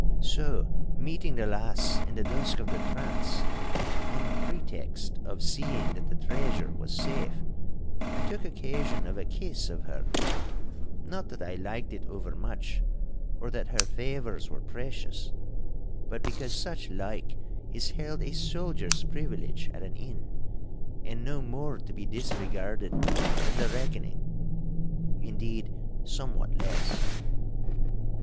So meeting the lass in the dusk of the trance, on pretext of seeing that the treasure was safe, I took occasion of a kiss of her—not that I liked it over much, or that her favours were precious, but because such like is held a soldier's privilege at an inn, and no more to be disregarded than the reckoning—indeed, somewhat less.